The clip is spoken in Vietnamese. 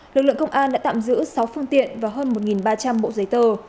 lực lượng công an đã tạm giữ sáu phương tiện và hơn một ba trăm linh bộ giấy tờ